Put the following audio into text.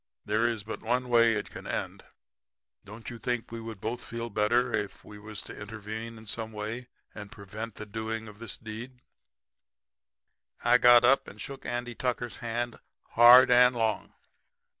There is but one way it can end. Don't you think we would both feel better if we was to intervene in some way and prevent the doing of this deed?' "I got up and shook Andy Tucker's hand hard and long.